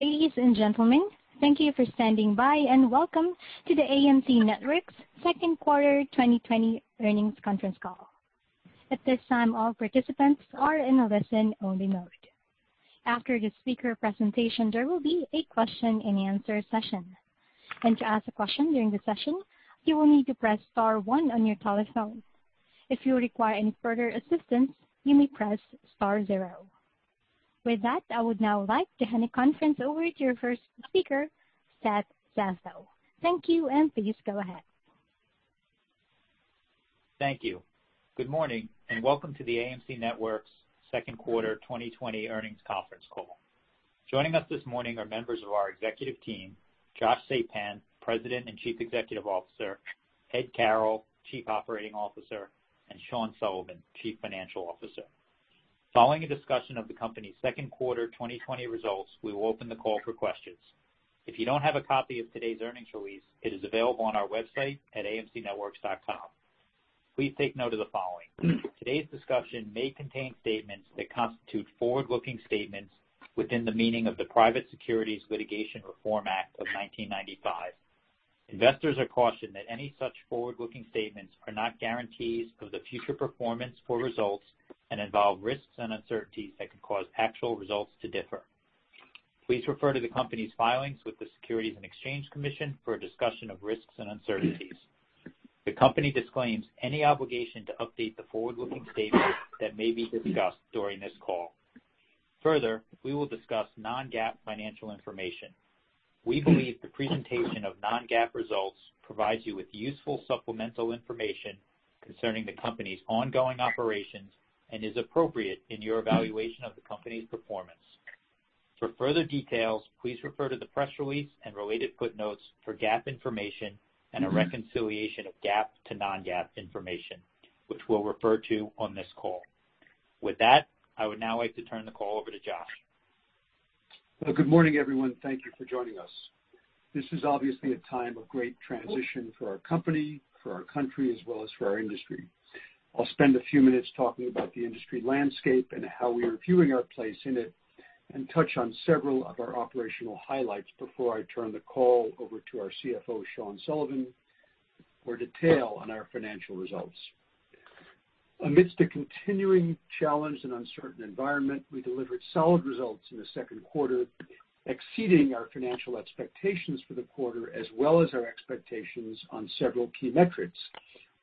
Ladies and gentlemen, thank you for standing by and welcome to the AMC Networks second quarter 2020 earnings conference call. At this time, all participants are in a listen-only mode. After the speaker presentation, there will be a question-and-answer session, and to ask a question during the session, you will need to press star one on your telephone. If you require any further assistance, you may press star zero. With that, I would now like to hand the conference over to your first speaker, Seth Zaslow. Thank you, and please go ahead. Thank you. Good morning and welcome to the AMC Networks second quarter 2020 earnings conference call. Joining us this morning are members of our executive team, Josh Sapan, President and Chief Executive Officer, Ed Carroll, Chief Operating Officer, and Sean Sullivan, Chief Financial Officer. Following a discussion of the company's second quarter 2020 results, we will open the call for questions. If you don't have a copy of today's earnings release, it is available on our website at AMCNetworks.com. Please take note of the following: today's discussion may contain statements that constitute forward-looking statements within the meaning of the Private Securities Litigation Reform Act of 1995. Investors are cautioned that any such forward-looking statements are not guarantees of the future performance or results and involve risks and uncertainties that can cause actual results to differ. Please refer to the company's filings with the Securities and Exchange Commission for a discussion of risks and uncertainties. The company disclaims any obligation to update the forward-looking statements that may be discussed during this call. Further, we will discuss non-GAAP financial information. We believe the presentation of non-GAAP results provides you with useful supplemental information concerning the company's ongoing operations and is appropriate in your evaluation of the company's performance. For further details, please refer to the press release and related footnotes for GAAP information and a reconciliation of GAAP to non-GAAP information, which we'll refer to on this call. With that, I would now like to turn the call over to Josh. Good morning, everyone. Thank you for joining us. This is obviously a time of great transition for our company, for our country, as well as for our industry. I'll spend a few minutes talking about the industry landscape and how we are viewing our place in it and touch on several of our operational highlights before I turn the call over to our CFO, Sean Sullivan, for detail on our financial results. Amidst a continuing challenge and uncertain environment, we delivered solid results in the second quarter, exceeding our financial expectations for the quarter, as well as our expectations on several key metrics,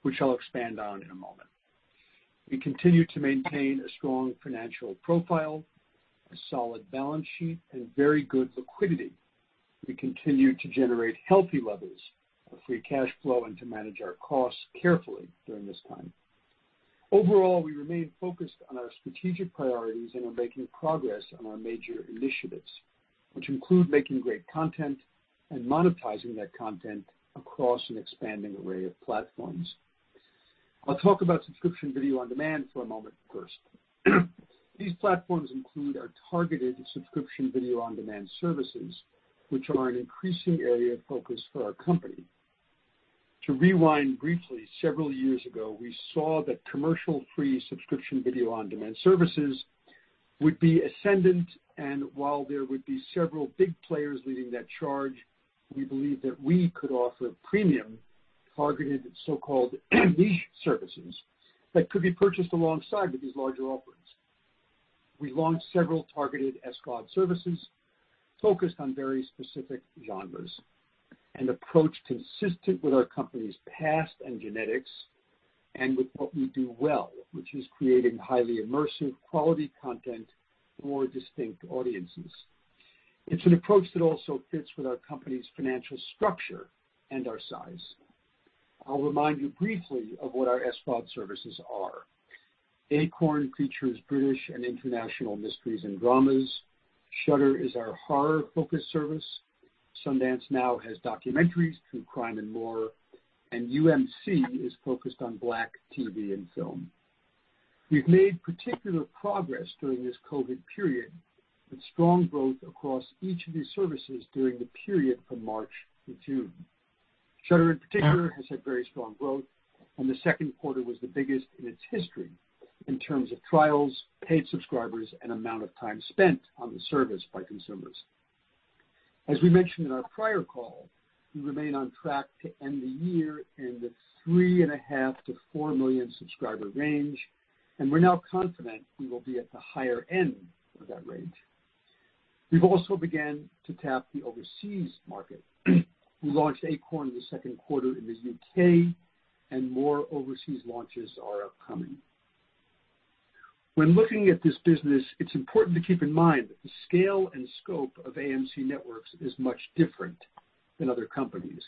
which I'll expand on in a moment. We continue to maintain a strong financial profile, a solid balance sheet, and very good liquidity. We continue to generate healthy levels of free cash flow and to manage our costs carefully during this time. Overall, we remain focused on our strategic priorities and are making progress on our major initiatives, which include making great content and monetizing that content across an expanding array of platforms. I'll talk about subscription video on demand for a moment first. These platforms include our targeted subscription video on demand services, which are an increasing area of focus for our company. To rewind briefly, several years ago, we saw that commercial-free subscription video on demand services would be ascendant, and while there would be several big players leading that charge, we believed that we could offer premium targeted so-called niche services that could be purchased alongside these larger offerings. We launched several targeted SVOD services focused on very specific genres and an approach consistent with our company's past and genetics and with what we do well, which is creating highly immersive quality content for distinct audiences. It's an approach that also fits with our company's financial structure and our size. I'll remind you briefly of what our SVOD services are. Acorn features British and international mysteries and dramas. Shudder is our horror-focused service. Sundance Now has documentaries, true crime and more, and UMC is focused on Black TV and film. We've made particular progress during this COVID period with strong growth across each of these services during the period from March to June. Shudder, in particular, has had very strong growth, and the second quarter was the biggest in its history in terms of trials, paid subscribers, and amount of time spent on the service by consumers. As we mentioned in our prior call, we remain on track to end the year in the 3.5-4 million subscriber range, and we're now confident we will be at the higher end of that range. We've also begun to tap the overseas market. We launched Acorn in the second quarter in the U.K., and more overseas launches are upcoming. When looking at this business, it's important to keep in mind that the scale and scope of AMC Networks is much different than other companies.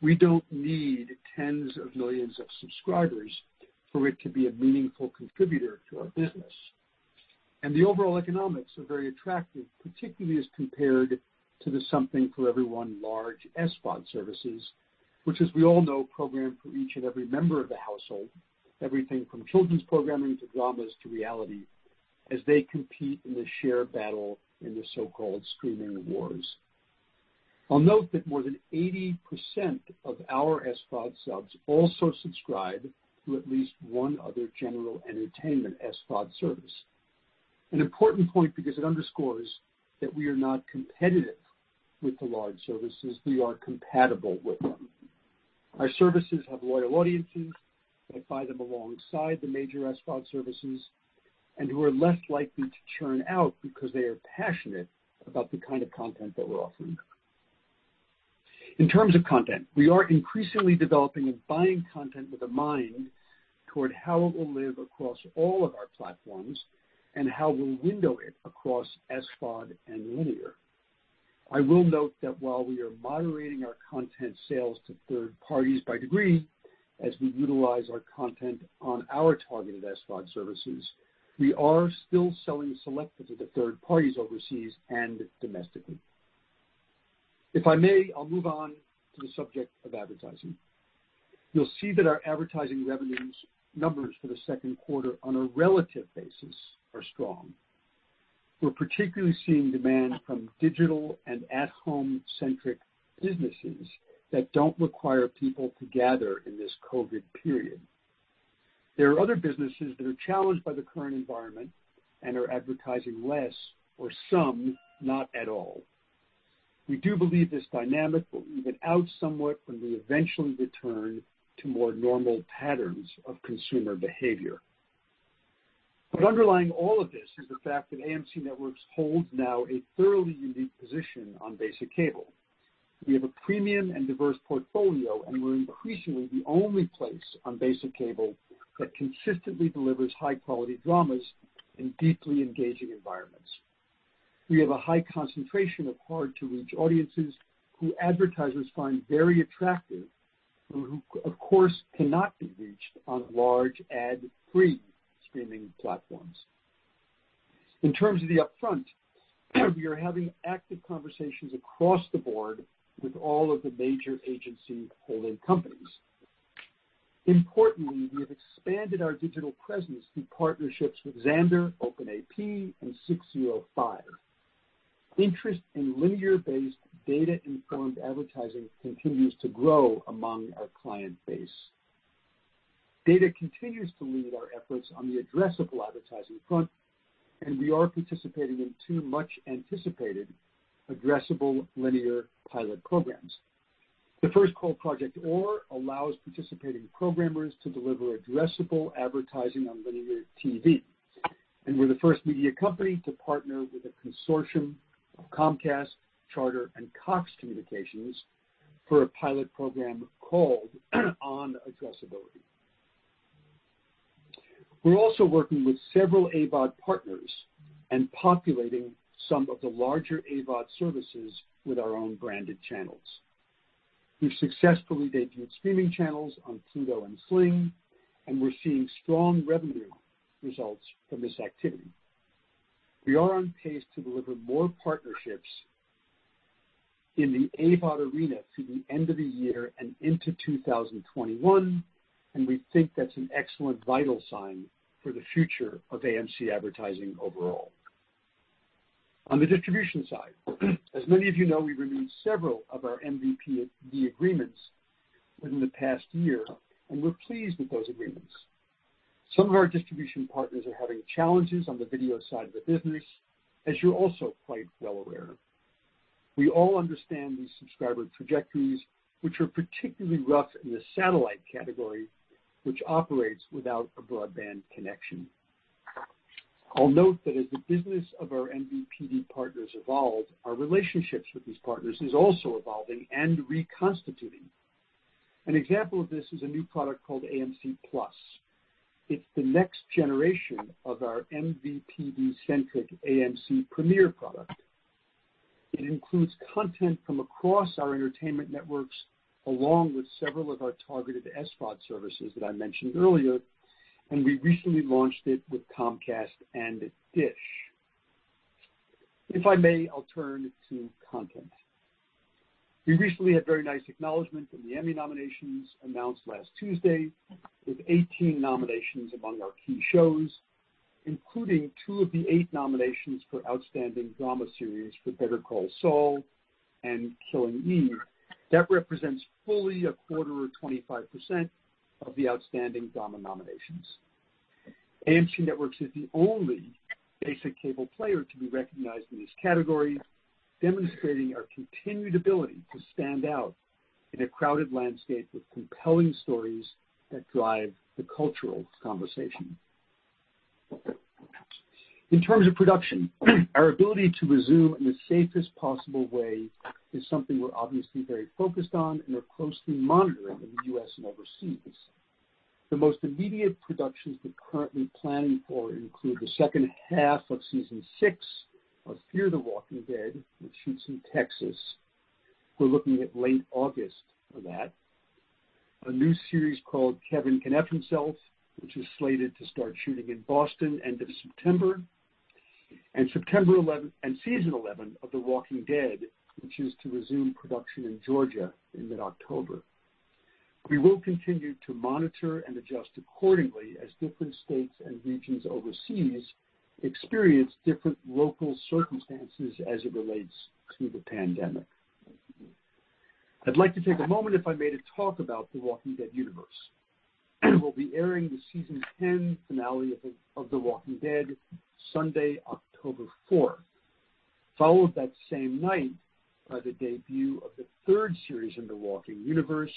We don't need tens of millions of subscribers for it to be a meaningful contributor to our business. The overall economics are very attractive, particularly as compared to the something-for-everyone large SVOD services, which, as we all know, program for each and every member of the household, everything from children's programming to dramas to reality, as they compete in the shared battle in the so-called streaming wars. I'll note that more than 80% of our SVOD subs also subscribe to at least one other general entertainment SVOD service. An important point because it underscores that we are not competitive with the large services. We are compatible with them. Our services have loyal audiences that buy them alongside the major SVOD services and who are less likely to churn because they are passionate about the kind of content that we're offering. In terms of content, we are increasingly developing and buying content with a mind toward how it will live across all of our platforms and how we'll window it across SVOD and linear. I will note that while we are moderating our content sales to third parties by degree as we utilize our content on our targeted SVOD services, we are still selling selectively to third parties overseas and domestically. If I may, I'll move on to the subject of advertising. You'll see that our advertising revenues numbers for the second quarter on a relative basis are strong. We're particularly seeing demand from digital and at-home-centric businesses that don't require people to gather in this COVID period. There are other businesses that are challenged by the current environment and are advertising less or some not at all. We do believe this dynamic will even out somewhat when we eventually return to more normal patterns of consumer behavior. But underlying all of this is the fact that AMC Networks holds now a thoroughly unique position on basic cable. We have a premium and diverse portfolio, and we're increasingly the only place on basic cable that consistently delivers high-quality dramas in deeply engaging environments. We have a high concentration of hard-to-reach audiences who advertisers find very attractive and who, of course, cannot be reached on large ad-free streaming platforms. In terms of the upfront, we are having active conversations across the board with all of the major agency holding companies. Importantly, we have expanded our digital presence through partnerships with Xandr, OpenAP, and 605. Interest in linear-based data-informed advertising continues to grow among our client base. 605 continues to lead our efforts on the addressable advertising front, and we are participating in two much-anticipated addressable linear pilot programs. The first, called Project OAR, allows participating programmers to deliver addressable advertising on linear TV, and we're the first media company to partner with a consortium of Comcast, Charter, and Cox Communications for a pilot program called On Addressability. We're also working with several AVOD partners and populating some of the larger AVOD services with our own branded channels. We've successfully debuted streaming channels on Pluto and Sling, and we're seeing strong revenue results from this activity. We are on pace to deliver more partnerships in the AVOD arena through the end of the year and into 2021, and we think that's an excellent vital sign for the future of AMC advertising overall. On the distribution side, as many of you know, we've renewed several of our MVPD agreements within the past year, and we're pleased with those agreements. Some of our distribution partners are having challenges on the video side of the business, as you're also quite well aware. We all understand these subscriber trajectories, which are particularly rough in the satellite category, which operates without a broadband connection. I'll note that as the business of our MVPD partners evolved, our relationships with these partners are also evolving and reconstituting. An example of this is a new product called AMC+. It's the next generation of our MVPD-centric AMC Premiere product. It includes content from across our entertainment networks, along with several of our targeted SVOD services that I mentioned earlier, and we recently launched it with Comcast and DISH. If I may, I'll turn to content. We recently had very nice acknowledgment in the Emmy nominations announced last Tuesday, with 18 nominations among our key shows, including two of the eight nominations for Outstanding Drama Series for Better Call Saul and Killing Eve. That represents fully a quarter or 25% of the Outstanding Drama nominations. AMC Networks is the only basic cable player to be recognized in this category, demonstrating our continued ability to stand out in a crowded landscape with compelling stories that drive the cultural conversation. In terms of production, our ability to resume in the safest possible way is something we're obviously very focused on and are closely monitoring in the U.S. and overseas. The most immediate productions we're currently planning for include the second half of season six of Fear the Walking Dead, which shoots in Texas. We're looking at late August for that. A new series called Kevin Can F Himself, which is slated to start shooting in Boston end of September, and season 11 of The Walking Dead, which is to resume production in Georgia in mid-October. We will continue to monitor and adjust accordingly as different states and regions overseas experience different local circumstances as it relates to the pandemic. I'd like to take a moment if I may to talk about The Walking Dead universe. We'll be airing the season 10 finale of The Walking Dead Sunday, October 4th, followed that same night by the debut of the third series in the Walking Dead universe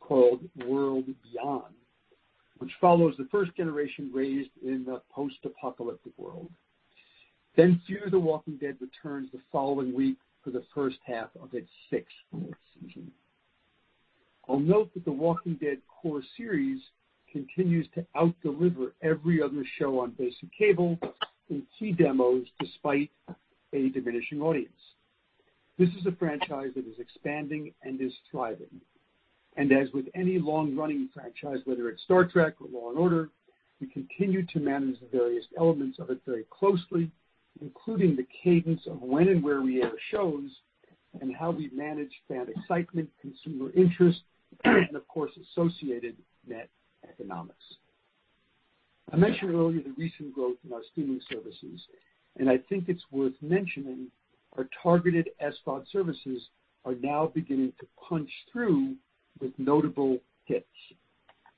called World Beyond, which follows the first generation raised in a post-apocalyptic world. Then Fear the Walking Dead returns the following week for the first half of its sixth season. I'll note that The Walking Dead core series continues to outdeliver every other show on basic cable and key demos despite a diminishing audience. This is a franchise that is expanding and is thriving. And as with any long-running franchise, whether it's Star Trek or Law and Order, we continue to manage the various elements of it very closely, including the cadence of when and where we air shows and how we manage fan excitement, consumer interest, and of course, associated net economics. I mentioned earlier the recent growth in our streaming services, and I think it's worth mentioning our targeted SVOD services are now beginning to punch through with notable hits,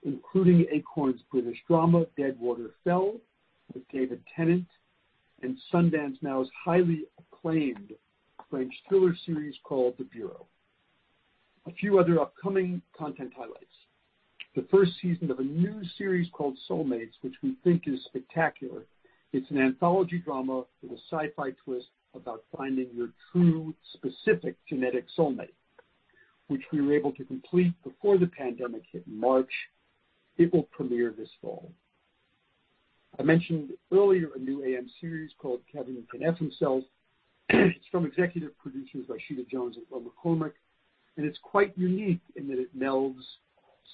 including Acorn's British drama Deadwater Fell with David Tennant and Sundance Now's highly acclaimed French thriller series called The Bureau. A few other upcoming content highlights. The first season of a new series called Soulmates, which we think is spectacular. It's an anthology drama with a sci-fi twist about finding your true specific genetic soulmate, which we were able to complete before the pandemic hit in March. It will premiere this fall. I mentioned earlier a new AMC series called Kevin Can Fuck Himself. It's from executive producers Rashida Jones and Will McCormack, and it's quite unique in that it melds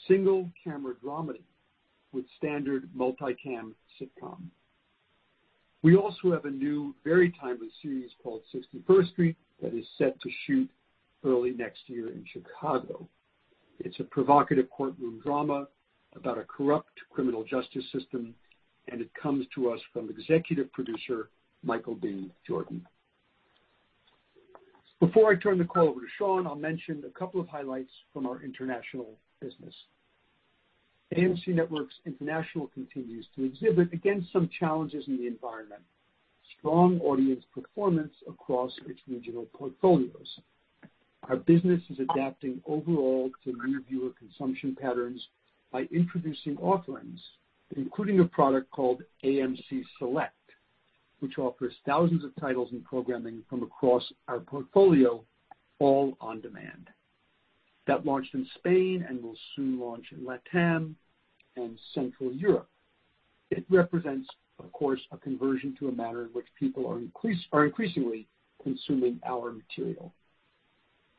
single-camera dramedy with standard multi-cam sitcom. We also have a new, very timely series called 61st Street that is set to shoot early next year in Chicago. It's a provocative courtroom drama about a corrupt criminal justice system, and it comes to us from executive producer Michael B. Jordan. Before I turn the call over to Sean, I'll mention a couple of highlights from our international business. AMC Networks International continues to exhibit against some challenges in the environment, strong audience performance across its regional portfolios. Our business is adapting overall to new viewer consumption patterns by introducing offerings, including a product called AMC Select, which offers thousands of titles and programming from across our portfolio, all on demand. That launched in Spain and will soon launch in LATAM and Central Europe. It represents, of course, a conversion to a manner in which people are increasingly consuming our material.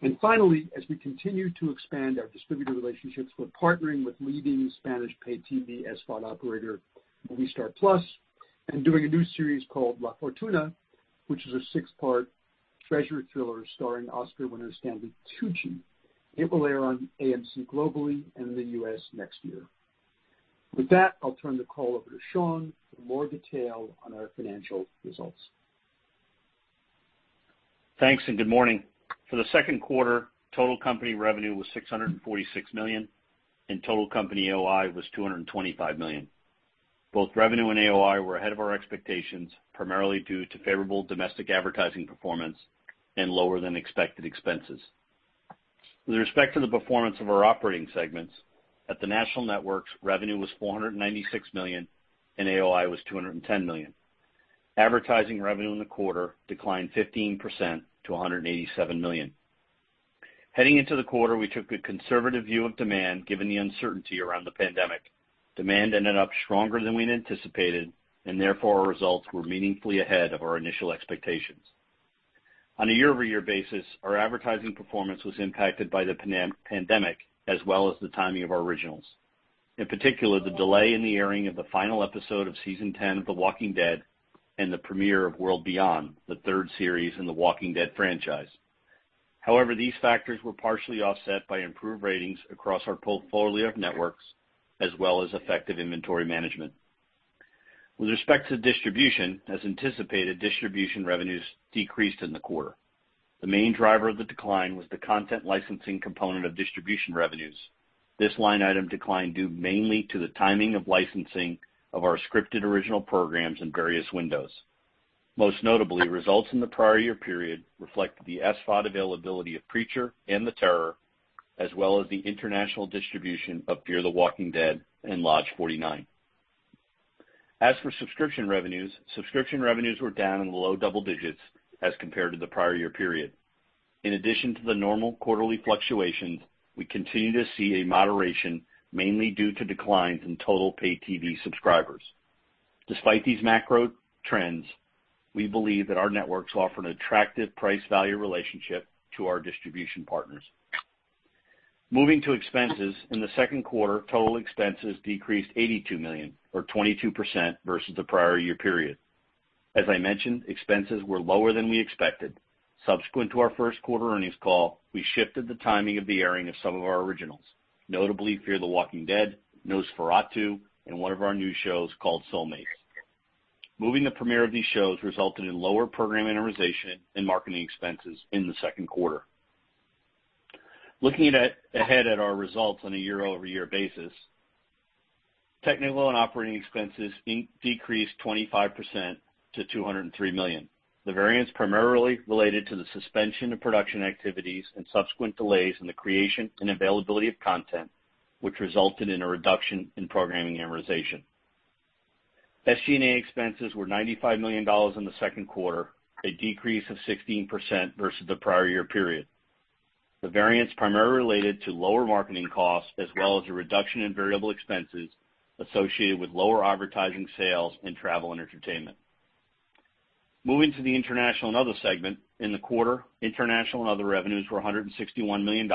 And finally, as we continue to expand our distributor relationships, we're partnering with leading Spanish pay TV SVOD operator Movistar+ and doing a new series called La Fortuna, which is a six-part treasure thriller starring Oscar winner Stanley Tucci. It will air on AMC globally and in the U.S. next year. With that, I'll turn the call over to Sean for more detail on our financial results. Thanks and good morning. For the second quarter, total company revenue was $646 million, and total company AOI was $225 million. Both revenue and AOI were ahead of our expectations, primarily due to favorable domestic advertising performance and lower-than-expected expenses. With respect to the performance of our operating segments, at the national networks, revenue was $496 million and AOI was $210 million. Advertising revenue in the quarter declined 15% to $187 million. Heading into the quarter, we took a conservative view of demand given the uncertainty around the pandemic. Demand ended up stronger than we anticipated, and therefore our results were meaningfully ahead of our initial expectations. On a year-over-year basis, our advertising performance was impacted by the pandemic as well as the timing of our originals. In particular, the delay in the airing of the final episode of season 10 of The Walking Dead and the premiere of World Beyond, the third series in the Walking Dead franchise. However, these factors were partially offset by improved ratings across our portfolio of networks as well as effective inventory management. With respect to distribution, as anticipated, distribution revenues decreased in the quarter. The main driver of the decline was the content licensing component of distribution revenues. This line item declined due mainly to the timing of licensing of our scripted original programs in various windows. Most notably, results in the prior year period reflect the SVOD availability of Preacher and The Terror, as well as the international distribution of Fear the Walking Dead and Lodge 49. As for subscription revenues, subscription revenues were down in the low double digits as compared to the prior year period. In addition to the normal quarterly fluctuations, we continue to see a moderation mainly due to declines in total pay TV subscribers. Despite these macro trends, we believe that our networks offer an attractive price-value relationship to our distribution partners. Moving to expenses, in the second quarter, total expenses decreased $82 million, or 22% versus the prior year period. As I mentioned, expenses were lower than we expected. Subsequent to our first quarter earnings call, we shifted the timing of the airing of some of our originals, notably Fear the Walking Dead, NOS4A2, and one of our new shows called Soulmates. Moving the premiere of these shows resulted in lower programming amortization and marketing expenses in the second quarter. Looking ahead at our results on a year-over-year basis, technical and operating expenses decreased 25% to $203 million. The variance primarily related to the suspension of production activities and subsequent delays in the creation and availability of content, which resulted in a reduction in programming amortization. SG&A expenses were $95 million in the second quarter, a decrease of 16% versus the prior year period. The variance primarily related to lower marketing costs as well as a reduction in variable expenses associated with lower advertising sales and travel and entertainment. Moving to the international and other segment, in the quarter, international and other revenues were $161 million,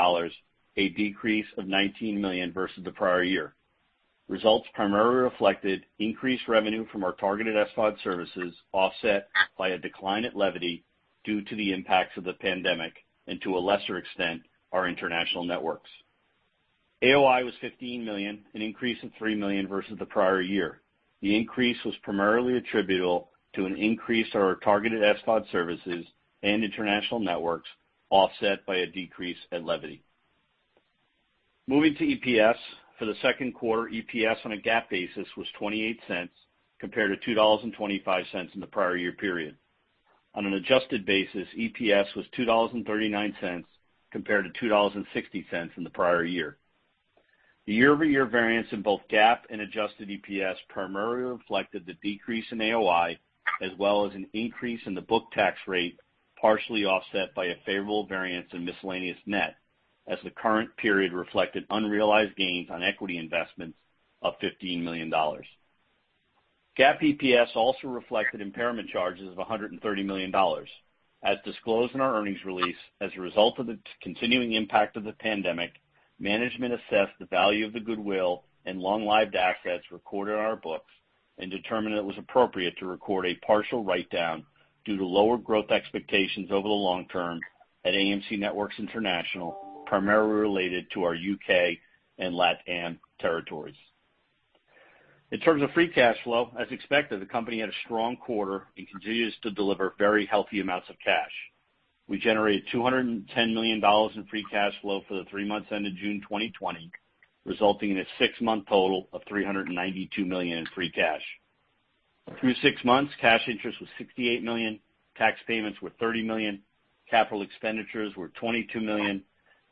a decrease of $19 million versus the prior year. Results primarily reflected increased revenue from our targeted SVOD services offset by a decline in Levity due to the impacts of the pandemic and, to a lesser extent, our international networks. AOI was $15 million, an increase of $3 million versus the prior year. The increase was primarily attributable to an increase in our targeted SVOD services and international networks offset by a decrease in Levity. Moving to EPS, for the second quarter, EPS on a GAAP basis was $0.28 compared to $2.25 in the prior year period. On an adjusted basis, EPS was $2.39 compared to $2.60 in the prior year. The year-over-year variance in both GAAP and adjusted EPS primarily reflected the decrease in AOI as well as an increase in the book tax rate, partially offset by a favorable variance in miscellaneous net, as the current period reflected unrealized gains on equity investments of $15 million. Gap EPS also reflected impairment charges of $130 million. As disclosed in our earnings release, as a result of the continuing impact of the pandemic, management assessed the value of the goodwill and long-lived assets recorded on our books and determined it was appropriate to record a partial write-down due to lower growth expectations over the long term at AMC Networks International, primarily related to our U.K. and LATAM territories. In terms of free cash flow, as expected, the company had a strong quarter and continues to deliver very healthy amounts of cash. We generated $210 million in free cash flow for the three months ended June 2020, resulting in a six-month total of $392 million in free cash. Through six months, cash interest was $68 million, tax payments were $30 million, capital expenditures were $22 million,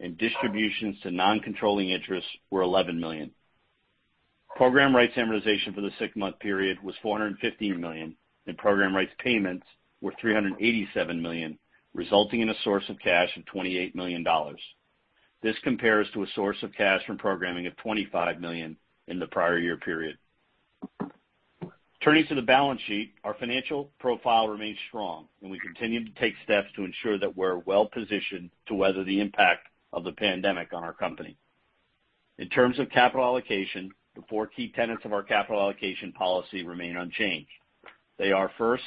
and distributions to non-controlling interest were $11 million. Program rights amortization for the six-month period was $415 million, and program rights payments were $387 million, resulting in a source of cash of $28 million. This compares to a source of cash from programming of $25 million in the prior year period. Turning to the balance sheet, our financial profile remains strong, and we continue to take steps to ensure that we're well-positioned to weather the impact of the pandemic on our company. In terms of capital allocation, the four key tenets of our capital allocation policy remain unchanged. They are first,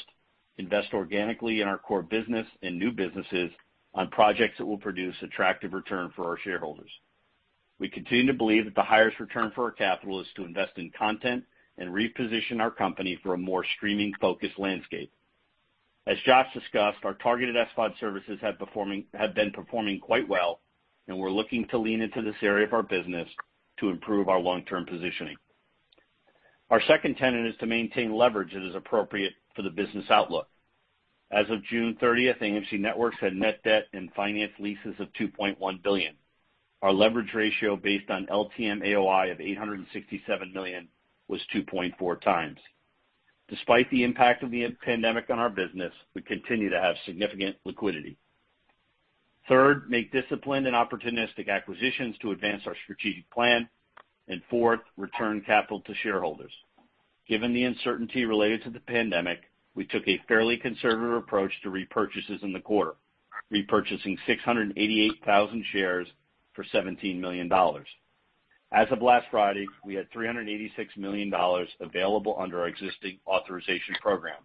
invest organically in our core business and new businesses on projects that will produce attractive returns for our shareholders. We continue to believe that the highest return for our capital is to invest in content and reposition our company for a more streaming-focused landscape. As Josh discussed, our targeted SVOD services have been performing quite well, and we're looking to lean into this area of our business to improve our long-term positioning. Our second tenet is to maintain leverage that is appropriate for the business outlook. As of June 30th, AMC Networks had net debt and finance leases of $2.1 billion. Our leverage ratio based on LTM AOI of 867 million was 2.4 times. Despite the impact of the pandemic on our business, we continue to have significant liquidity. Third, make disciplined and opportunistic acquisitions to advance our strategic plan. And fourth, return capital to shareholders. Given the uncertainty related to the pandemic, we took a fairly conservative approach to repurchases in the quarter, repurchasing 688,000 shares for $17 million. As of last Friday, we had $386 million available under our existing authorization program.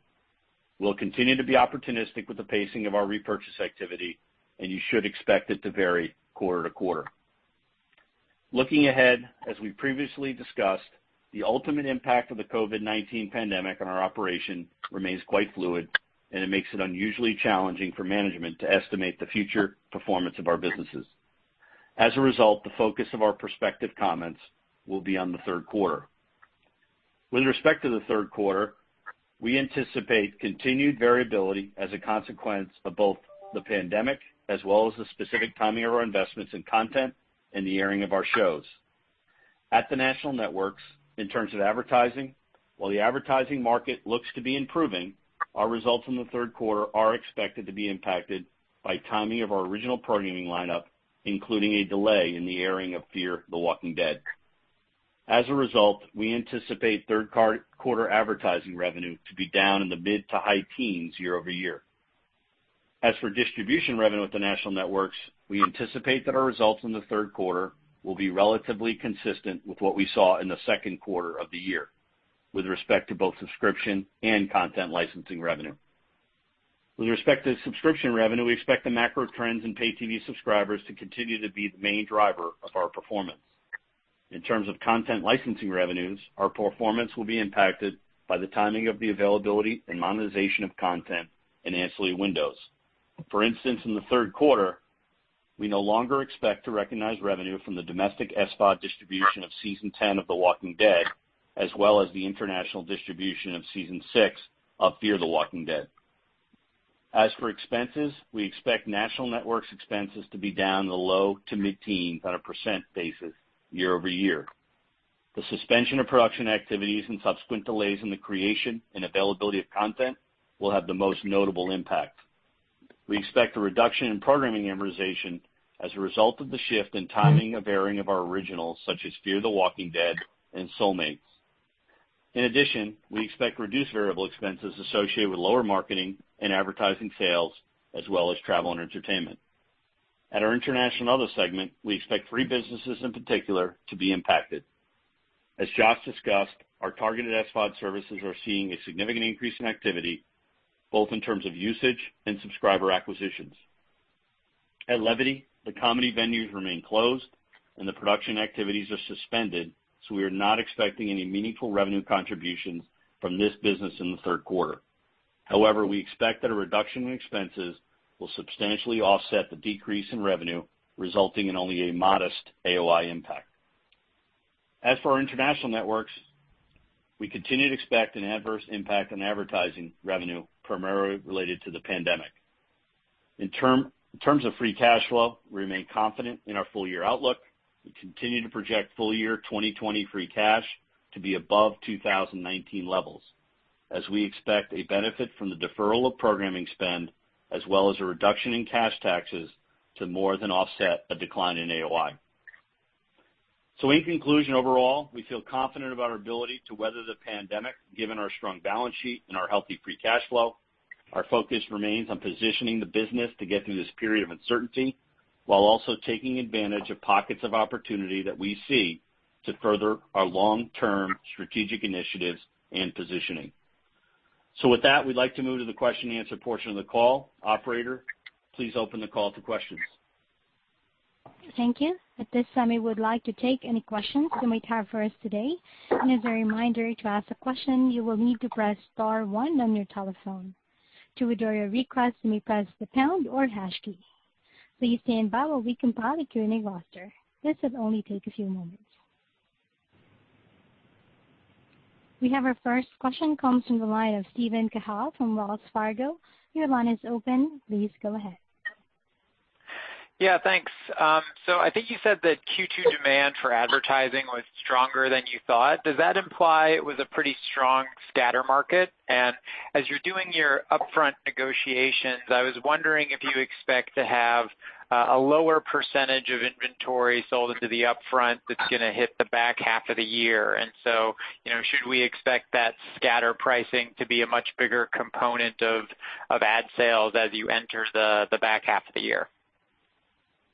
We'll continue to be opportunistic with the pacing of our repurchase activity, and you should expect it to vary quarter to quarter. Looking ahead, as we previously discussed, the ultimate impact of the COVID-19 pandemic on our operations remains quite fluid, and it makes it unusually challenging for management to estimate the future performance of our businesses. As a result, the focus of our prospective comments will be on the third quarter. With respect to the third quarter, we anticipate continued variability as a consequence of both the pandemic as well as the specific timing of our investments in content and the airing of our shows. At the national networks, in terms of advertising, while the advertising market looks to be improving, our results in the third quarter are expected to be impacted by timing of our original programming lineup, including a delay in the airing of Fear the Walking Dead. As a result, we anticipate third-quarter advertising revenue to be down in the mid- to high-teens % year-over-year. As for distribution revenue at the national networks, we anticipate that our results in the third quarter will be relatively consistent with what we saw in the second quarter of the year, with respect to both subscription and content licensing revenue. With respect to subscription revenue, we expect the macro trends in pay TV subscribers to continue to be the main driver of our performance. In terms of content licensing revenues, our performance will be impacted by the timing of the availability and monetization of content and ancillary windows. For instance, in the third quarter, we no longer expect to recognize revenue from the domestic SVOD distribution of season 10 of The Walking Dead, as well as the international distribution of season 6 of Fear the Walking Dead. As for expenses, we expect national networks' expenses to be down in the low to mid-teens % on a basis year-over-year. The suspension of production activities and subsequent delays in the creation and availability of content will have the most notable impact. We expect a reduction in programming amortization as a result of the shift in timing of airing of our originals, such as Fear the Walking Dead and Soulmates. In addition, we expect reduced variable expenses associated with lower marketing and advertising sales, as well as travel and entertainment. At our international and other segment, we expect three businesses in particular to be impacted. As Josh discussed, our targeted SVOD services are seeing a significant increase in activity, both in terms of usage and subscriber acquisitions. At Levity, the comedy venues remain closed, and the production activities are suspended, so we are not expecting any meaningful revenue contributions from this business in the third quarter. However, we expect that a reduction in expenses will substantially offset the decrease in revenue, resulting in only a modest AOI impact. As for our international networks, we continue to expect an adverse impact on advertising revenue, primarily related to the pandemic. In terms of free cash flow, we remain confident in our full-year outlook. We continue to project full-year 2020 free cash to be above 2019 levels, as we expect a benefit from the deferral of programming spend, as well as a reduction in cash taxes to more than offset a decline in AOI. So, in conclusion, overall, we feel confident about our ability to weather the pandemic, given our strong balance sheet and our healthy free cash flow. Our focus remains on positioning the business to get through this period of uncertainty, while also taking advantage of pockets of opportunity that we see to further our long-term strategic initiatives and positioning. So, with that, we'd like to move to the question-and-answer portion of the call. Operator, please open the call to questions. Thank you. At this time, we would like to take any questions you may have for us today. And as a reminder, to ask a question, you will need to press star one on your telephone. To withdraw your request, you may press the pound or hash key. Please stand by while we compile a Q&A roster. This will only take a few moments. We have our first question come from the line of Steven Cahall from Wells Fargo. Your line is open. Please go ahead. Yeah, thanks. So, I think you said that Q2 demand for advertising was stronger than you thought. Does that imply it was a pretty strong scatter market? And as you're doing your upfront negotiations, I was wondering if you expect to have a lower percentage of inventory sold into the upfront that's going to hit the back half of the year. And so, should we expect that scatter pricing to be a much bigger component of ad sales as you enter the back half of the year?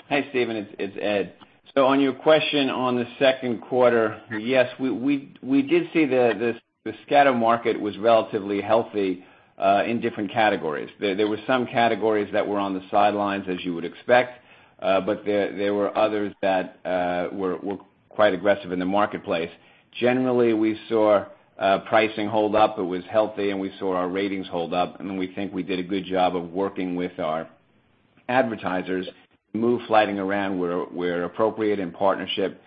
Hi, Steven. It's Ed. So, on your question on the second quarter, yes, we did see the scatter market was relatively healthy in different categories. There were some categories that were on the sidelines, as you would expect, but there were others that were quite aggressive in the marketplace. Generally, we saw pricing hold up. It was healthy, and we saw our ratings hold up. And we think we did a good job of working with our advertisers to move flighting around where appropriate in partnership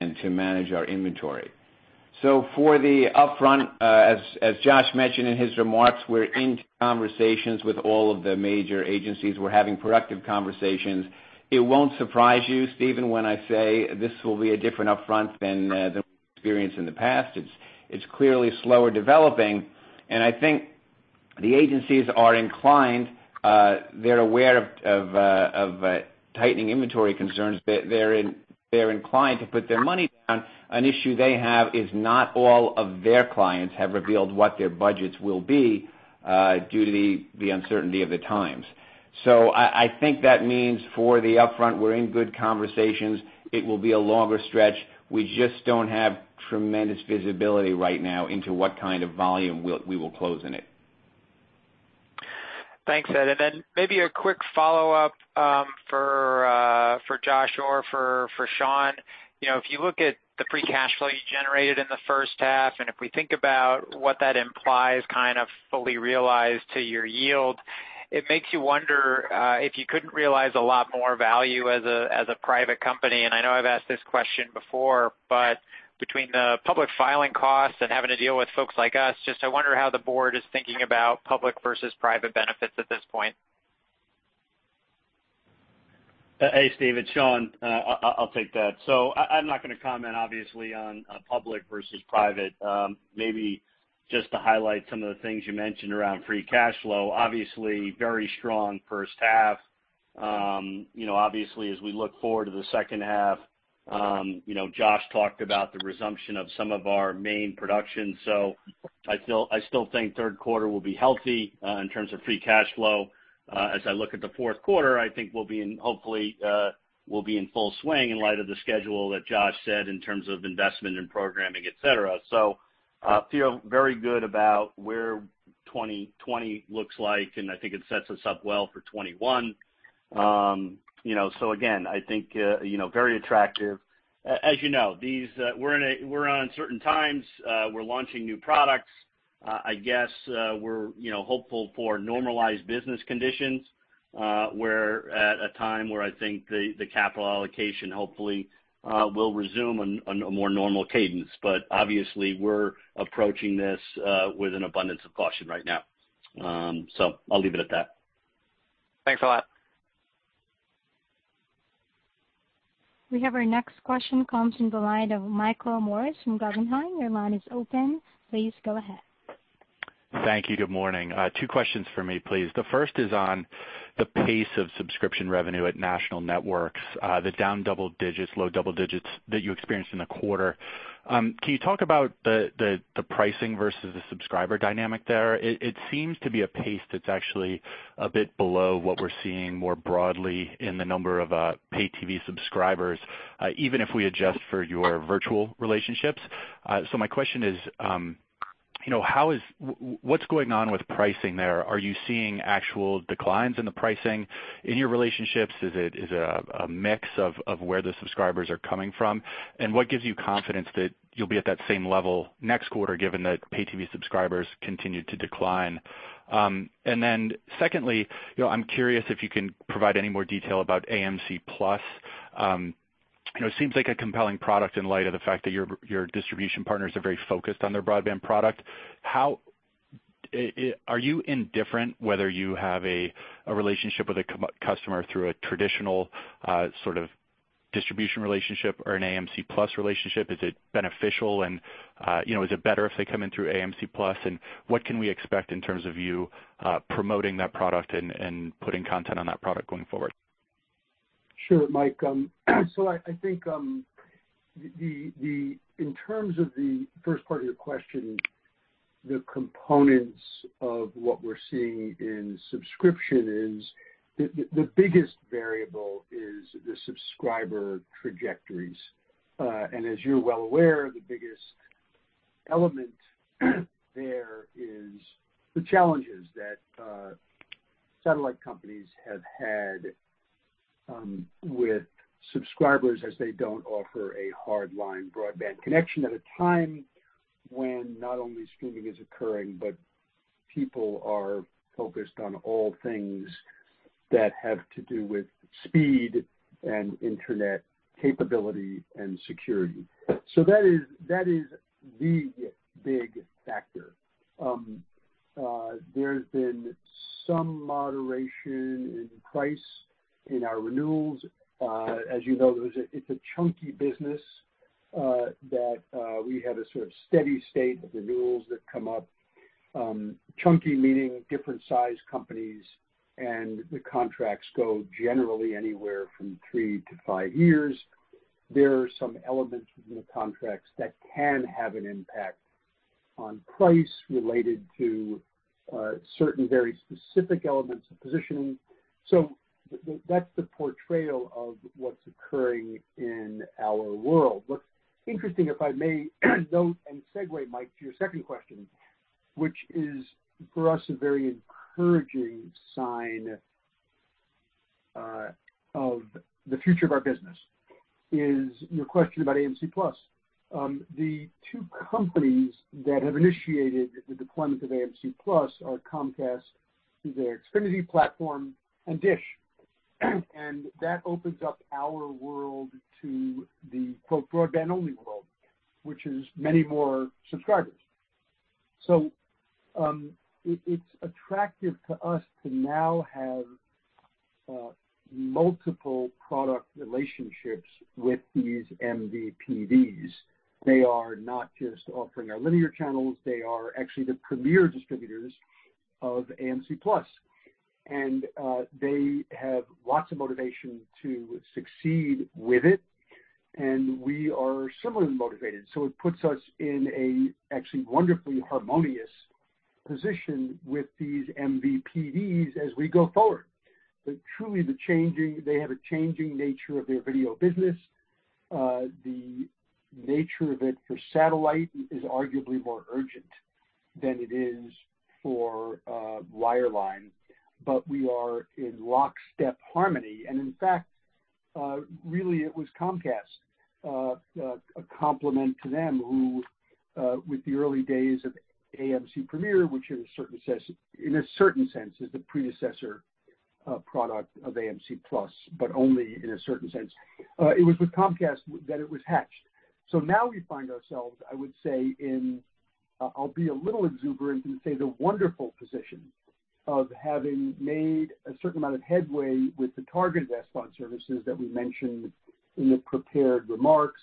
and to manage our inventory. So, for the upfront, as Josh mentioned in his remarks, we're in conversations with all of the major agencies. We're having productive conversations. It won't surprise you, Steven, when I say this will be a different upfront than we experienced in the past. It's clearly slower developing. And I think the agencies are inclined, they're aware of tightening inventory concerns. They're inclined to put their money down. An issue they have is not all of their clients have revealed what their budgets will be due to the uncertainty of the times. So, I think that means for the upfront, we're in good conversations. It will be a longer stretch. We just don't have tremendous visibility right now into what kind of volume we will close in it. Thanks, Ed. And then maybe a quick follow-up for Josh or for Sean. If you look at the free cash flow you generated in the first half, and if we think about what that implies kind of fully realized to your yield, it makes you wonder if you couldn't realize a lot more value as a private company. And I know I've asked this question before, but between the public filing costs and having to deal with folks like us, just, I wonder how the board is thinking about public versus private benefits at this point. Hey, Steven. Sean, I'll take that. So, I'm not going to comment, obviously, on public versus private. Maybe just to highlight some of the things you mentioned around free cash flow. Obviously, very strong first half. Obviously, as we look forward to the second half, Josh talked about the resumption of some of our main productions. So, I still think third quarter will be healthy in terms of free cash flow. As I look at the fourth quarter, I think we'll be in, hopefully, full swing in light of the schedule that Josh said in terms of investment and programming, etc. So, feel very good about where 2020 looks like, and I think it sets us up well for 2021. So, again, I think very attractive. As you know, we're on certain times. We're launching new products. I guess we're hopeful for normalized business conditions. We're at a time where I think the capital allocation hopefully will resume a more normal cadence. But obviously, we're approaching this with an abundance of caution right now. So, I'll leave it at that. Thanks a lot. We have our next question come from the line of Michael Morris from Guggenheim. Your line is open. Please go ahead. Thank you. Good morning. Two questions for me, please. The first is on the pace of subscription revenue at national networks, the down double digits, low double digits that you experienced in the quarter. Can you talk about the pricing versus the subscriber dynamic there? It seems to be a pace that's actually a bit below what we're seeing more broadly in the number of pay TV subscribers, even if we adjust for your vMVPD relationships. So, my question is, what's going on with pricing there? Are you seeing actual declines in the pricing in your relationships? Is it a mix of where the subscribers are coming from? And what gives you confidence that you'll be at that same level next quarter, given that pay TV subscribers continue to decline? And then secondly, I'm curious if you can provide any more detail about AMC+. It seems like a compelling product in light of the fact that your distribution partners are very focused on their broadband product. Are you indifferent whether you have a relationship with a customer through a traditional sort of distribution relationship or an AMC+ relationship? Is it beneficial, and is it better if they come in through AMC+? And what can we expect in terms of you promoting that product and putting content on that product going forward? Sure, Mike. So, I think in terms of the first part of your question, the components of what we're seeing in subscription is the biggest variable is the subscriber trajectories. As you're well aware, the biggest element there is the challenges that satellite companies have had with subscribers as they don't offer a hardline broadband connection at a time when not only streaming is occurring, but people are focused on all things that have to do with speed and internet capability and security. That is the big factor. There's been some moderation in price in our renewals. As you know, it's a chunky business that we have a sort of steady state of renewals that come up. Chunky meaning different size companies, and the contracts go generally anywhere from three to five years. There are some elements in the contracts that can have an impact on price related to certain very specific elements of positioning. That's the portrayal of what's occurring in our world. What's interesting, if I may note and segue, Mike, to your second question, which is for us a very encouraging sign of the future of our business, is your question about AMC+. The two companies that have initiated the deployment of AMC+ are Comcast through their Xfinity platform and DISH. And that opens up our world to the "broadband only" world, which is many more subscribers. So, it's attractive to us to now have multiple product relationships with these MVPDs. They are not just offering our linear channels. They are actually the premier distributors of AMC+. And they have lots of motivation to succeed with it. And we are similarly motivated. So, it puts us in an actually wonderfully harmonious position with these MVPDs as we go forward. But truly, they have a changing nature of their video business. The nature of it for satellite is arguably more urgent than it is for wireline. But we are in lockstep harmony. And in fact, really, it was Comcast, a complement to them, who with the early days of AMC Premiere, which in a certain sense is the predecessor product of AMC+, but only in a certain sense. It was with Comcast that it was hatched. So, now we find ourselves. I would say, in, I'll be a little exuberant and say the wonderful position of having made a certain amount of headway with the targeted SVOD services that we mentioned in the prepared remarks,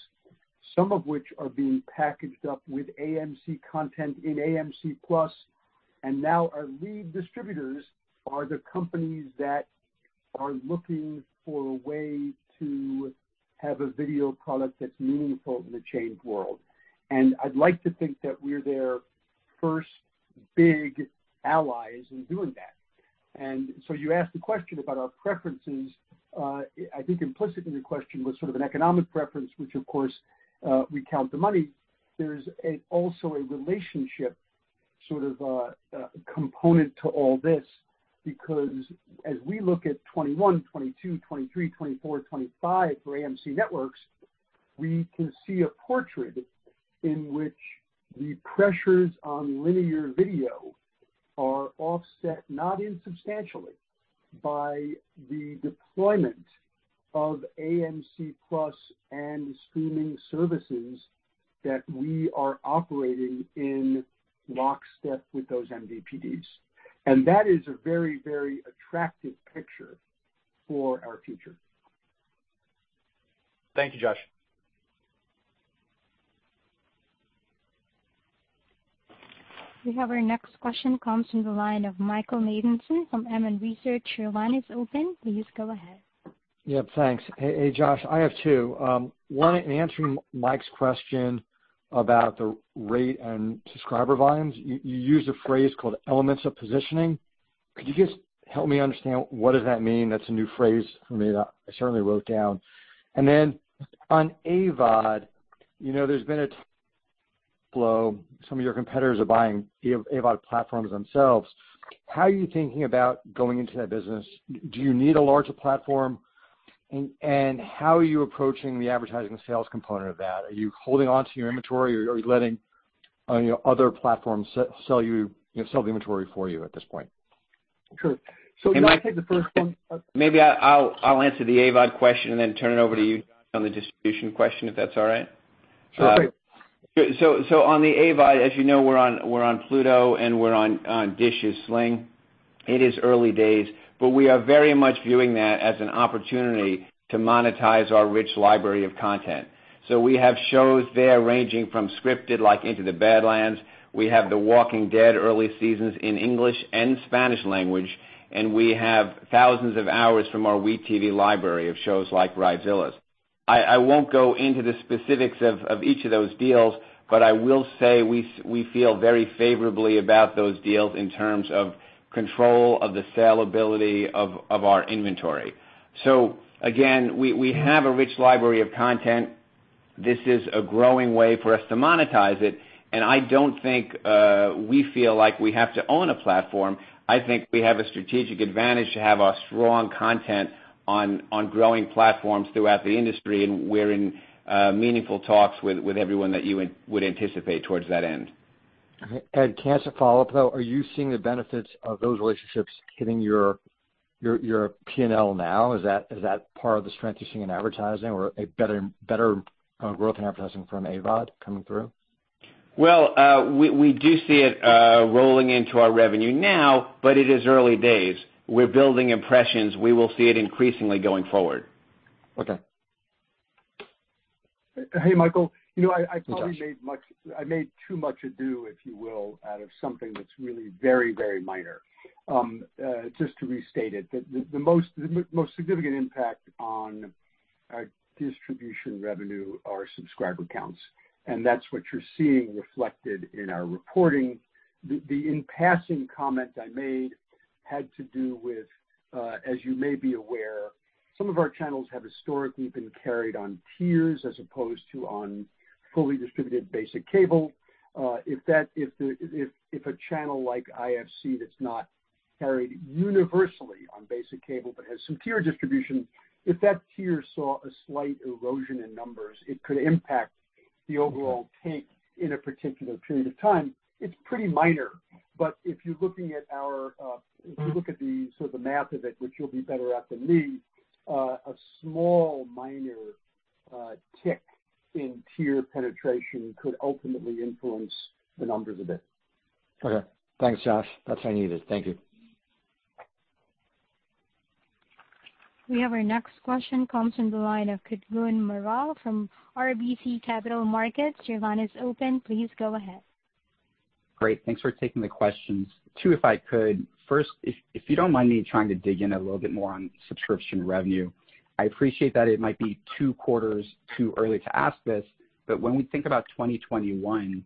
some of which are being packaged up with AMC content in AMC+. And now our lead distributors are the companies that are looking for a way to have a video product that's meaningful in the changing world. I'd like to think that we're their first big allies in doing that. So, you asked the question about our preferences. I think implicit in your question was sort of an economic preference, which of course, we count the money. There's also a relationship sort of component to all this because as we look at 2021, 2022, 2023, 2024, 2025 for AMC Networks, we can see a portrait in which the pressures on linear video are offset, not insubstantially, by the deployment of AMC+ and streaming services that we are operating in lockstep with those MVPDs. That is a very, very attractive picture for our future. Thank you, Josh. We have our next question come from the line of Michael Nathanson from MoffettNathanson. Your line is open. Please go ahead. Yep, thanks. Hey, Josh. I have two. One, in answering Mike's question about the rate and subscriber volumes, you used a phrase called elements of positioning. Could you just help me understand what does that mean? That's a new phrase for me that I certainly wrote down. And then on AVOD, there's been a flow. Some of your competitors are buying AVOD platforms themselves. How are you thinking about going into that business? Do you need a larger platform? And how are you approaching the advertising sales component of that? Are you holding on to your inventory, or are you letting other platforms sell the inventory for you at this point? Sure. So, can I take the first one? Maybe I'll answer the AVOD question and then turn it over to you on the distribution question if that's all right. Sure. Sure. So, on the AVOD, as you know, we're on Pluto and we're on DISH's Sling. It is early days, but we are very much viewing that as an opportunity to monetize our rich library of content. So, we have shows there ranging from scripted like Into the Badlands. We have The Walking Dead early seasons in English and Spanish language. And we have thousands of hours from our WE tv library of shows like Bridezillas. I won't go into the specifics of each of those deals, but I will say we feel very favorably about those deals in terms of control of the saleability of our inventory. So, again, we have a rich library of content. This is a growing way for us to monetize it. And I don't think we feel like we have to own a platform. I think we have a strategic advantage to have our strong content on growing platforms throughout the industry. We're in meaningful talks with everyone that you would anticipate towards that end. Can I ask a follow-up, though? Are you seeing the benefits of those relationships hitting your P&L now? Is that part of the strength you're seeing in advertising or a better growth in advertising from AVOD coming through? We do see it rolling into our revenue now, but it is early days. We're building impressions. We will see it increasingly going forward. Okay. Hey, Michael. I probably made too much ado, if you will, out of something that's really very, very minor. Just to restate it, the most significant impact on our distribution revenue are subscriber counts. That's what you're seeing reflected in our reporting. The in passing comment I made had to do with, as you may be aware, some of our channels have historically been carried on tiers as opposed to on fully distributed basic cable. If a channel like IFC that's not carried universally on basic cable but has some tier distribution, if that tier saw a slight erosion in numbers, it could impact the overall take in a particular period of time. It's pretty minor. But if you're looking at, if you look at the sort of math of it, which you'll be better at than me, a small minor tick in tier penetration could ultimately influence the numbers a bit. Okay. Thanks, Josh. That's what I needed. Thank you. We have our next question come from the line of Kutgun Maral from RBC Capital Markets. Your line is open. Please go ahead. Great. Thanks for taking the questions. Two, if I could. First, if you don't mind me trying to dig in a little bit more on subscription revenue, I appreciate that it might be two quarters too early to ask this. But when we think about 2021,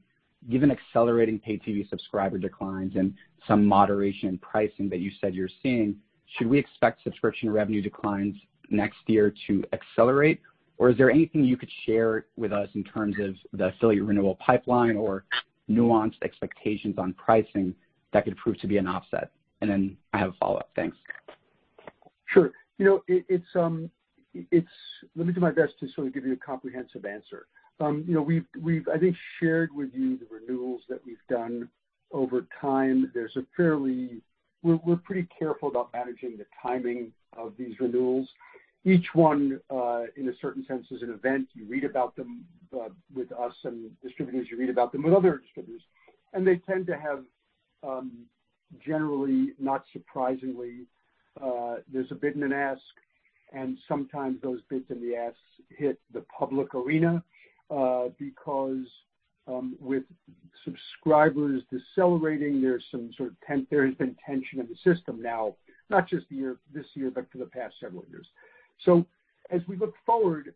given accelerating pay TV subscriber declines and some moderation in pricing that you said you're seeing, should we expect subscription revenue declines next year to accelerate? Or is there anything you could share with us in terms of the affiliate renewal pipeline or nuanced expectations on pricing that could prove to be an offset? And then I have a follow-up. Thanks. Sure. Let me do my best to sort of give you a comprehensive answer. We've, I think, shared with you the renewals that we've done over time. We're pretty careful about managing the timing of these renewals. Each one, in a certain sense, is an event. You read about them with us and distributors. You read about them with other distributors, and they tend to have, generally, not surprisingly, there's a bid and an ask. And sometimes those bids and the asks hit the public arena because with subscribers decelerating, there's some sort of there has been tension in the system now, not just this year, but for the past several years, so as we look forward,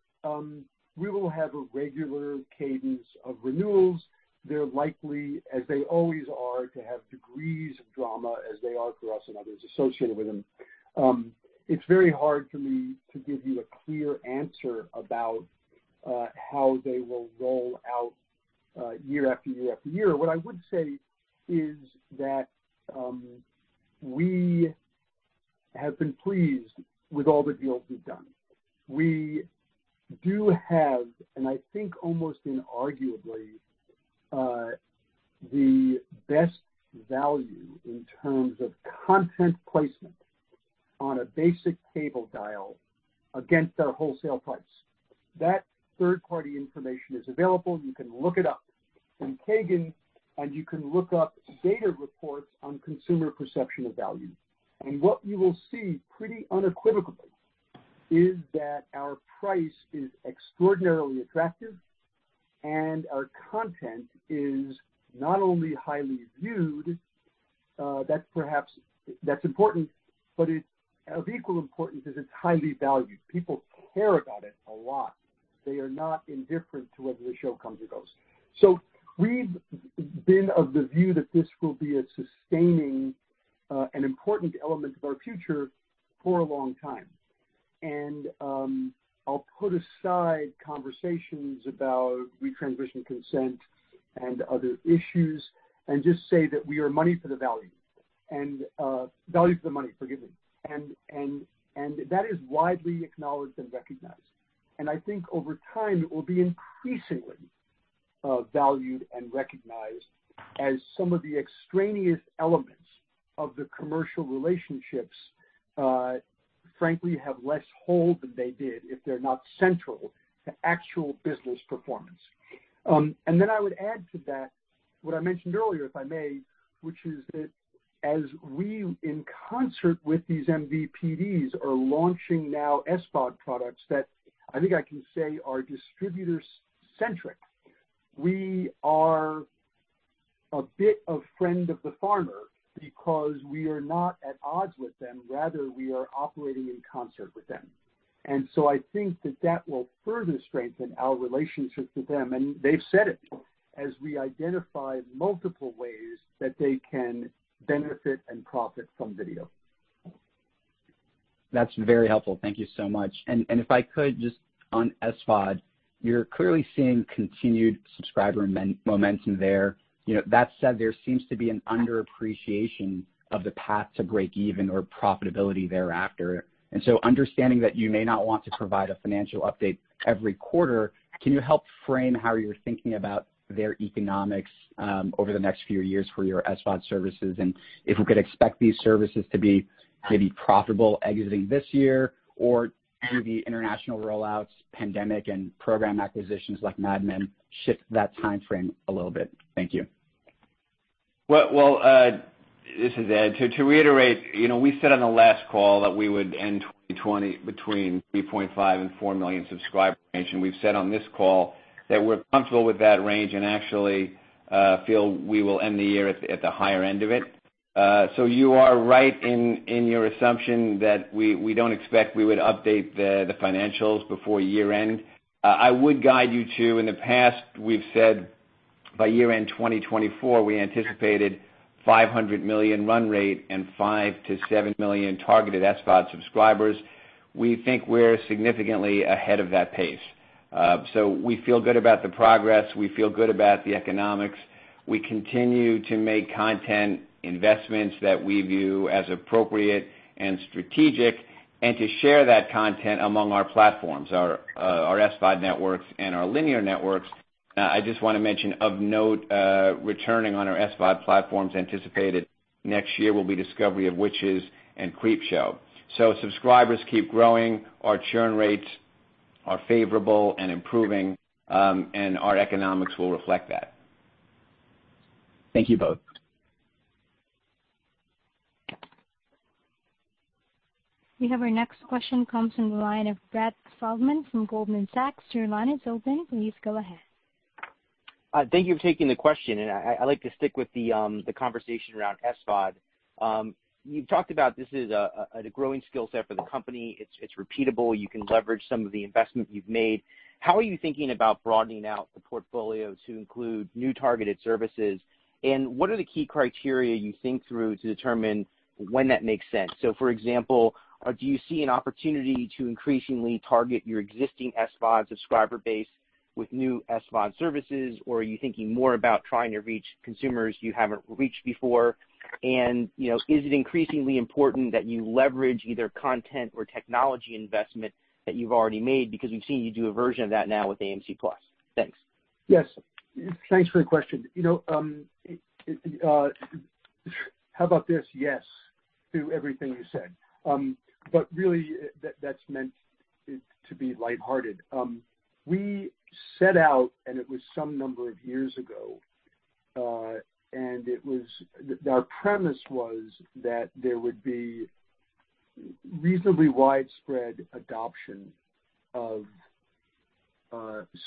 we will have a regular cadence of renewals. They're likely, as they always are, to have degrees of drama as they are for us and others associated with them. It's very hard for me to give you a clear answer about how they will roll out year after year after year. What I would say is that we have been pleased with all the deals we've done. We do have, and I think almost inarguably, the best value in terms of content placement on a basic cable dial against our wholesale price. That third-party information is available. You can look it up in Kagan, and you can look up data reports on consumer perception of value. And what you will see pretty unequivocally is that our price is extraordinarily attractive, and our content is not only highly viewed, that's important, but of equal importance is it's highly valued. People care about it a lot. They are not indifferent to whether the show comes or goes. So, we've been of the view that this will be a sustaining and important element of our future for a long time. And I'll put aside conversations about retransmission consent and other issues and just say that we are money for the value. And value for the money, forgive me. That is widely acknowledged and recognized. I think over time, it will be increasingly valued and recognized as some of the extraneous elements of the commercial relationships, frankly, have less hold than they did if they're not central to actual business performance. Then I would add to that what I mentioned earlier, if I may, which is that as we, in concert with these MVPDs, are launching now SVOD products that I think I can say are distributor-centric, we are a friend of the farmer because we are not at odds with them. Rather, we are operating in concert with them. So, I think that that will further strengthen our relationship with them. They have said it, as we identify multiple ways that they can benefit and profit from video. That's very helpful. Thank you so much. And if I could, just on SVOD, you're clearly seeing continued subscriber momentum there. That said, there seems to be an underappreciation of the path to break even or profitability thereafter. And so, understanding that you may not want to provide a financial update every quarter, can you help frame how you're thinking about their economics over the next few years for your SVOD services? And if we could expect these services to be maybe profitable exiting this year or through the international rollouts, pandemic, and program acquisitions like Mad Men, shift that timeframe a little bit? Thank you. Well, this is Ed. To reiterate, we said on the last call that we would end 2020 between 3.5 and 4 million subscriber range. And we've said on this call that we're comfortable with that range and actually feel we will end the year at the higher end of it. You are right in your assumption that we don't expect we would update the financials before year-end. I would guide you to, in the past, we've said by year-end 2024, we anticipated $500 million run rate and 5 million-7 million targeted SVOD subscribers. We think we're significantly ahead of that pace. We feel good about the progress. We feel good about the economics. We continue to make content investments that we view as appropriate and strategic and to share that content among our platforms, our SVOD networks and our linear networks. I just want to mention, of note, returning on our SVOD platforms anticipated next year will be A Discovery of Witches and Creepshow. Subscribers keep growing. Our churn rates are favorable and improving, and our economics will reflect that. Thank you both. We have our next question come from the line of Brett Feldman from Goldman Sachs. Your line is open. Please go ahead. Thank you for taking the question. And I like to stick with the conversation around SVOD. You've talked about this is a growing skill set for the company. It's repeatable. You can leverage some of the investment you've made. How are you thinking about broadening out the portfolio to include new targeted services? And what are the key criteria you think through to determine when that makes sense? So, for example, do you see an opportunity to increasingly target your existing SVOD subscriber base with new SVOD services, or are you thinking more about trying to reach consumers you haven't reached before? And is it increasingly important that you leverage either content or technology investment that you've already made? Because we've seen you do a version of that now with AMC+. Thanks. Yes. Thanks for the question. How about this? Yes to everything you said. But really, that's meant to be lighthearted. We set out, and it was some number of years ago, and our premise was that there would be reasonably widespread adoption of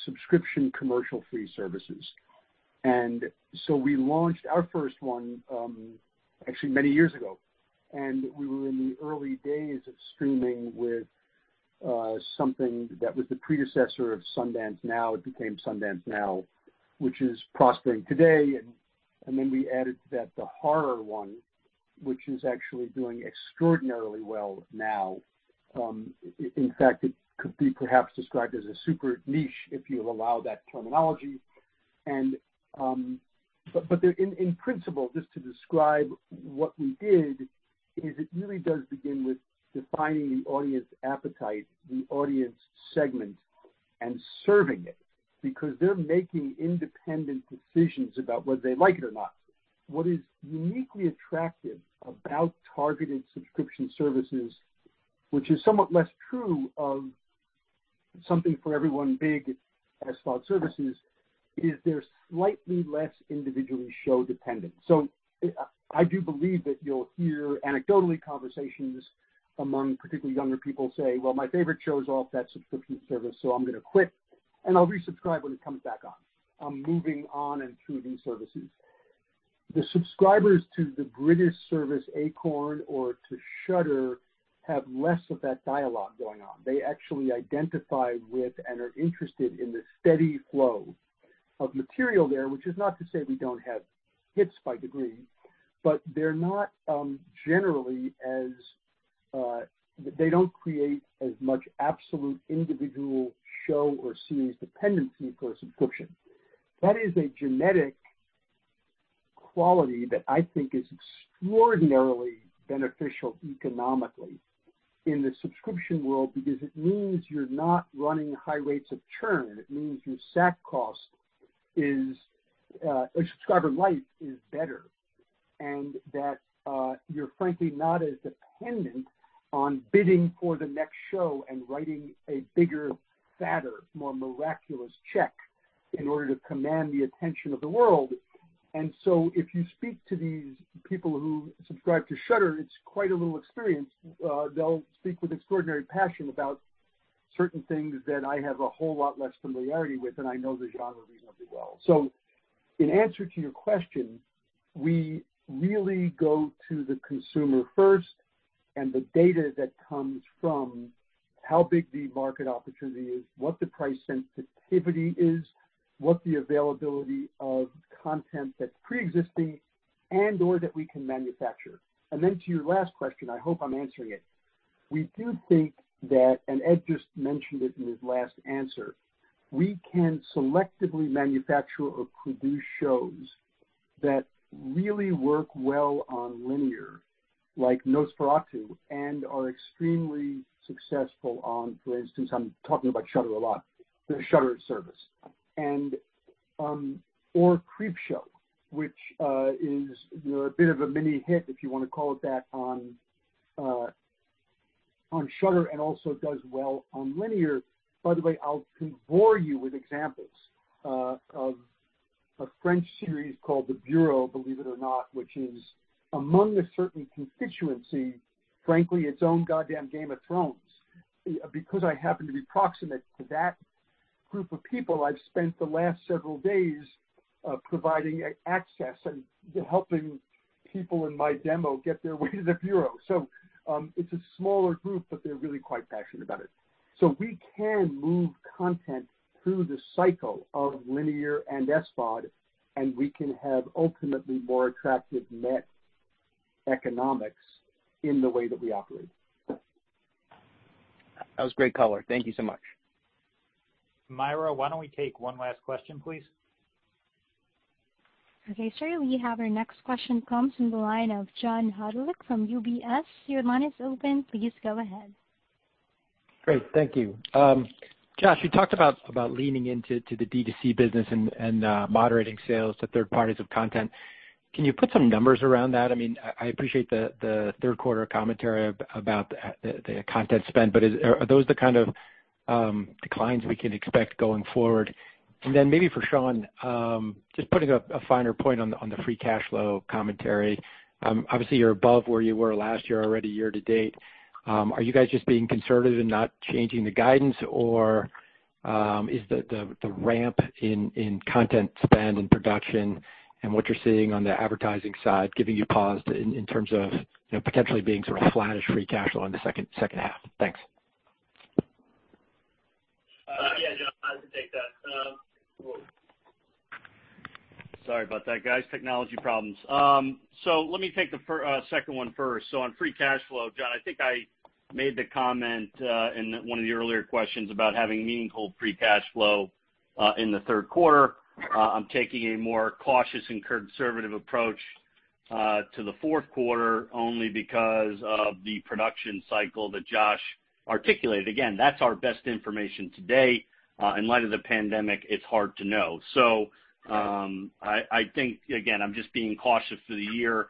subscription commercial-free services, and so we launched our first one actually many years ago, and we were in the early days of streaming with something that was the predecessor of Sundance Now. It became Sundance Now, which is prospering today, and then we added to that the horror one, which is actually doing extraordinarily well now. In fact, it could be perhaps described as a super niche if you allow that terminology. In principle, just to describe what we did is it really does begin with defining the audience appetite, the audience segment, and serving it because they're making independent decisions about whether they like it or not. What is uniquely attractive about targeted subscription services, which is somewhat less true of something for everyone big SVOD services, is they're slightly less individually show-dependent. So, I do believe that you'll hear anecdotally conversations among particularly younger people say, "Well, my favorite shows off that subscription service, so I'm going to quit, and I'll resubscribe when it comes back on. I'm moving on and through these services." The subscribers to the British service Acorn or to Shudder have less of that dialogue going on. They actually identify with and are interested in the steady flow of material there, which is not to say we don't have hits by degree, but they're not generally as they don't create as much absolute individual show or series dependency for a subscription. That is a genetic quality that I think is extraordinarily beneficial economically in the subscription world because it means you're not running high rates of churn. It means your SAC cost is or subscriber life is better. And that you're frankly not as dependent on bidding for the next show and writing a bigger, fatter, more miraculous check in order to command the attention of the world. And so, if you speak to these people who subscribe to Shudder, it's quite a little experience. They'll speak with extraordinary passion about certain things that I have a whole lot less familiarity with, and I know the genre reasonably well. So, in answer to your question, we really go to the consumer first and the data that comes from how big the market opportunity is, what the price sensitivity is, what the availability of content that's pre-existing and/or that we can manufacture. And then to your last question, I hope I'm answering it. We do think that, and Ed just mentioned it in his last answer, we can selectively manufacture or produce shows that really work well on linear like NOS4A2 and are extremely successful on, for instance, I'm talking about Shudder a lot, the Shudder service, or Creepshow, which is a bit of a mini hit, if you want to call it that, on Shudder and also does well on linear. By the way, I'll bore you with examples of a French series called The Bureau, believe it or not, which is among a certain constituency, frankly, its own goddamn Game of Thrones. Because I happen to be proximate to that group of people, I've spent the last several days providing access and helping people in my demo get their way to The Bureau. So, it's a smaller group, but they're really quite passionate about it. So, we can move content through the cycle of linear and SVOD, and we can have ultimately more attractive net economics in the way that we operate. That was great color. Thank you so much. Myra, why don't we take one last question, please? Okay. Sir, we have our next question come from the line of John Hodulik from UBS. Your line is open. Please go ahead. Great. Thank you. Josh, you talked about leaning into the DTC business and moderating sales to third parties of content. Can you put some numbers around that? I mean, I appreciate the third-quarter commentary about the content spend, but are those the kind of declines we can expect going forward? And then maybe for Sean, just putting a finer point on the free cash flow commentary. Obviously, you're above where you were last year already year to date. Are you guys just being conservative and not changing the guidance, or is the ramp in content spend and production and what you're seeing on the advertising side giving you pause in terms of potentially being sort of flat as free cash flow in the second half? Thanks. Yeah, John, I can take that. Sorry about that. Guys, technology problems. So, let me take the second one first. So, on free cash flow, John, I think I made the comment in one of the earlier questions about having meaningful free cash flow in the third quarter. I'm taking a more cautious and conservative approach to the fourth quarter only because of the production cycle that Josh articulated. Again, that's our best information today. In light of the pandemic, it's hard to know. So, I think, again, I'm just being cautious for the year.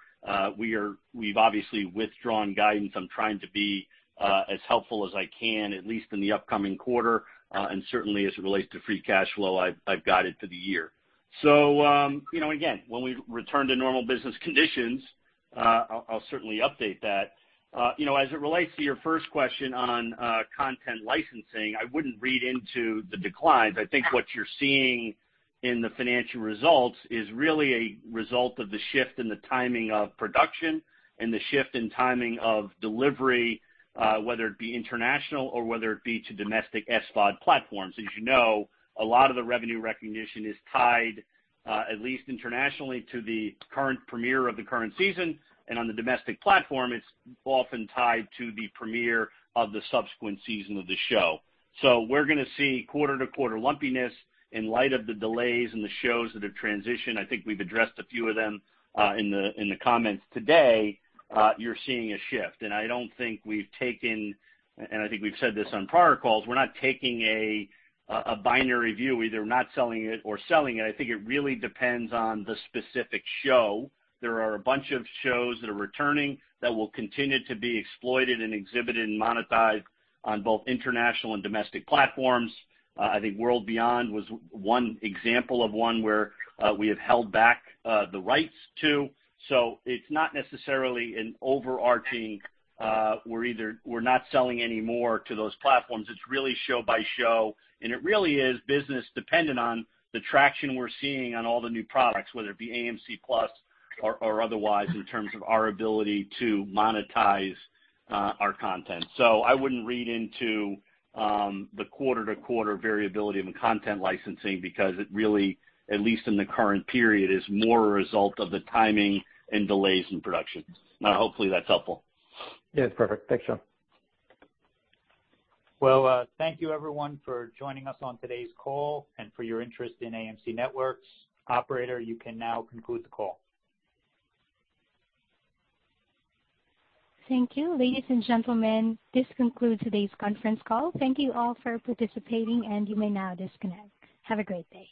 We've obviously withdrawn guidance. I'm trying to be as helpful as I can, at least in the upcoming quarter. And certainly, as it relates to free cash flow, I've guided for the year. So, again, when we return to normal business conditions, I'll certainly update that. As it relates to your first question on content licensing, I wouldn't read into the declines. I think what you're seeing in the financial results is really a result of the shift in the timing of production and the shift in timing of delivery, whether it be international or whether it be to domestic SVOD platforms. As you know, a lot of the revenue recognition is tied, at least internationally, to the current premiere of the current season. And on the domestic platform, it's often tied to the premiere of the subsequent season of the show. So, we're going to see quarter-to-quarter lumpiness in light of the delays in the shows that have transitioned. I think we've addressed a few of them in the comments today. You're seeing a shift. And I don't think we've taken, and I think we've said this on prior calls, we're not taking a binary view, either not selling it or selling it. I think it really depends on the specific show. There are a bunch of shows that are returning that will continue to be exploited and exhibited and monetized on both international and domestic platforms. I think World Beyond was one example of one where we have held back the rights to. So, it's not necessarily an overarching. We're not selling any more to those platforms. It's really show by show. And it really is business-dependent on the traction we're seeing on all the new products, whether it be AMC+ or otherwise, in terms of our ability to monetize our content. So, I wouldn't read into the quarter-to-quarter variability of content licensing because it really, at least in the current period, is more a result of the timing and delays in production. Now, hopefully, that's helpful. Yeah, it's perfect. Thanks, Sean. Well, thank you, everyone, for joining us on today's call and for your interest in AMC Networks. Operator, you can now conclude the call. Thank you. Ladies and gentlemen, this concludes today's conference call. Thank you all for participating, and you may now disconnect. Have a great day.